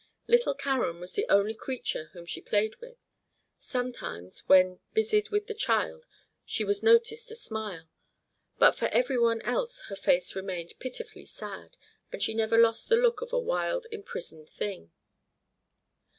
Little Karen was the only creature whom she played with; sometimes when busied with the child she was noticed to smile, but for every one else her face remained pitifully sad, and she never lost the look of a wild, imprisoned thing.